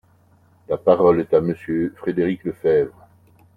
La parole est à Monsieur Frédéric Lefebvre.